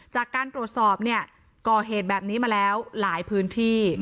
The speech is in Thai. จากการตรวจสอบเนี่ยก่อเหตุแบบนี้มาแล้วหลายพื้นที่